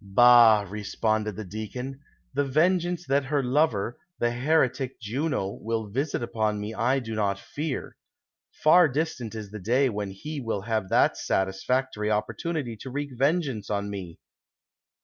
'' Bah !" responded the deacon ;" the vengeance that her lover, the heretic Juno, will visit upon me I do not fear. Far distant is the day when he will have that satisfactory opportunity to wreak vengeance on me."